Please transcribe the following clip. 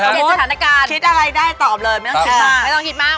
คิดอะไรได้ตอบเลยไม่ต้องคิดมาก